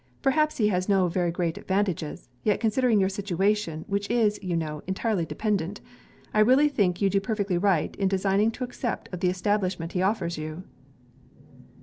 Perhaps he has no very great advantages; yet considering your situation, which is, you know, entirely dependent, I really think you do perfectly right in designing to accept of the establishment he offers you.'